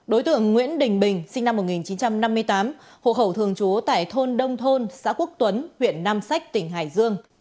đối tượng nguyễn đình bình sinh năm một nghìn chín trăm năm mươi tám hộ khẩu thường trú tại thôn đông thôn xã quốc tuấn huyện nam sách tỉnh hải dương